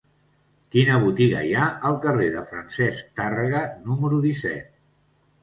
Quina botiga hi ha al carrer de Francesc Tàrrega número disset?